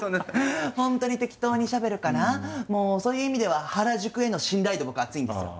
本当に適当にしゃべるからもうそういう意味では原宿への信頼度僕厚いんですよ。